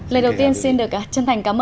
lời đầu tiên xin được chân thành cảm ơn